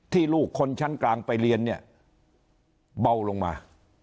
ลูกคนชั้นกลางไปเรียนเนี่ยเบาลงมา